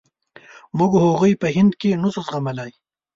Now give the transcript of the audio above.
موږ هغوی په هند کې نشو زغملای.